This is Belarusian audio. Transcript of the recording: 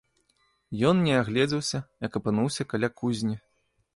Ён не агледзеўся, як апынуўся каля кузні.